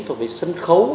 thuộc về sân khấu